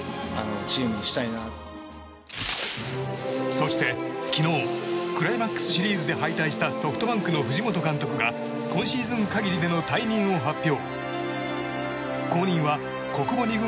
そして昨日クライマックスシリーズで敗退したソフトバンクの藤本監督が今シーズン限りでの退任を発表。